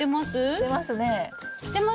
してますね。